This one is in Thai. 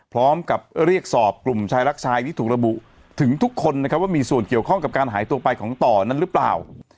พร้อมกับเรียกสอบกลุ่มชายรักชายที่ถูกระบุถึงทุกคนนะครับว่ามีส่วนเกี่ยวข้องกับการหายตัวไปของต่อนั้นหรือเปล่า